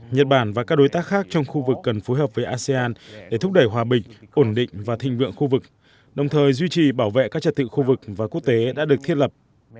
nhật bản và các đối tác khác trong khu vực cần phối hợp với asean để thúc đẩy hòa bình ổn định và thịnh vượng khu vực đồng thời duy trì bảo vệ các trật tự khu vực và quốc tế đã được thiết lập